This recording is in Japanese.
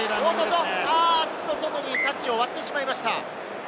外にタッチを割ってしまいました。